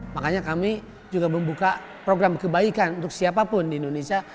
makanya kami juga membuka program kebaikan untuk siapapun di indonesia